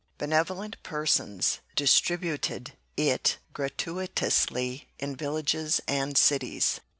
Benevolent persons distributed it gratuitously in villages and cities.